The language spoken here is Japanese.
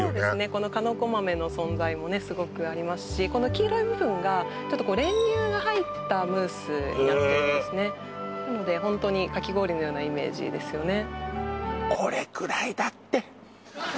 このかのこ豆の存在もねすごくありますしこの黄色い部分が練乳が入ったムースになってるんですねなのでホントにかき氷のようなイメージですよね